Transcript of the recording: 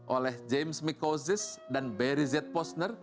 oleh james mikosis dan barry z posner